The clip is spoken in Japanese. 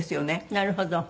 なるほど。